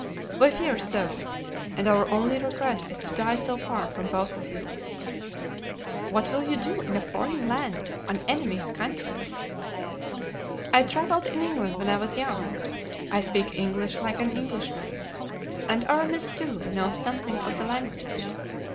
"We fear so, and our only regret is to die so far from both of you." "What will you do in a foreign land, an enemy's country?" "I traveled in England when I was young, I speak English like an Englishman, and Aramis, too, knows something of the language.